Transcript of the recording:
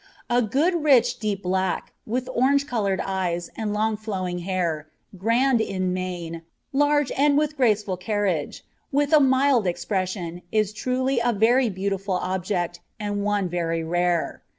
A good rich, deep black, with orange coloured eyes and long flowing hair, grand in mane, large and with graceful carriage, with a mild expression, is truly a very beautiful object, and one very rare.